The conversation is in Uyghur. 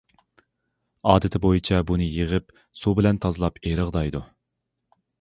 ئادىتى بويىچە بۇنى يىغىپ، سۇ بىلەن تازىلاپ ئېرىغدايدۇ.